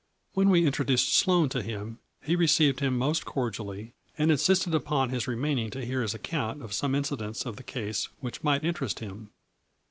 When we introduced Sloane to him he re ceived him most cordially, and insisted upon his remaining to hear his account of some inci dents of the case which might interest him.